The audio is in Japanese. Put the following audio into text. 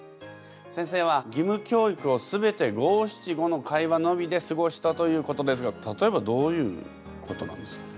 先生はぎむ教育を全て五・七・五の会話のみですごしたということですが例えばどういうことなんですか？